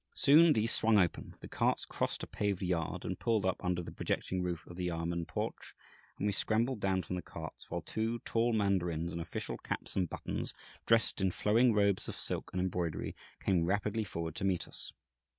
Soon these swung open; the carts crossed a paved yard and pulled up under the projecting roof of the Yâmen porch; and we scrambled down from the carts, while two tall mandarins, in official caps and buttons, dressed in flowing robes of silk and embroidery, came rapidly forward to meet us.